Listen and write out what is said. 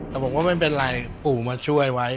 แต่บอกว่าไม่เป็นไรปู่มาช่วยไว้